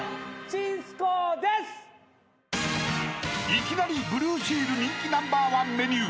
［いきなりブルーシール人気ナンバーワンメニュー］